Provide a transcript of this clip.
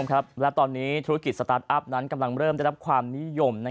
และตอนนี้ธุรกิจสตาร์ทอัพนั้นกำลังเริ่มได้รับความนิยม